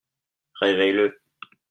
Réveille-le.